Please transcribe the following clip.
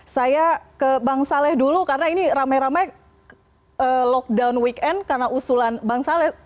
saya ke bang saleh dulu karena ini ramai ramai lockdown weekend karena usulan bang saleh